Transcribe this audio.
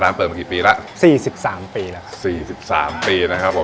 เปิดมากี่ปีแล้วสี่สิบสามปีแล้วครับสี่สิบสามปีนะครับผม